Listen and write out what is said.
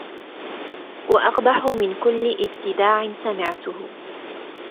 وأقبح من كل ابتداع سمعته